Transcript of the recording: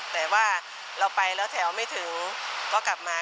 แต่ว่าเราไปแล้วแถวไม่ถึงก็กลับมา